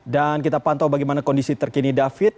kita pantau bagaimana kondisi terkini david